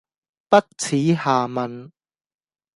不恥下問